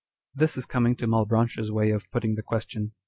a This is coming to Malebranche's way of putting the ques tion.